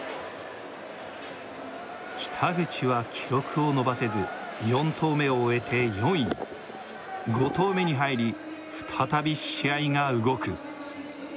北口は記録を伸ばせず４投目を終えて４位５投目に入り再び試合が動く